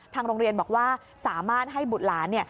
ทางโรงเรียนบอกว่าสามารถให้บุฏราน